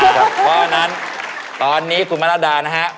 เพราะฉะนั้นตอนนี้คุณมรดานะฮะ